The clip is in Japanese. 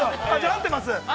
合ってます。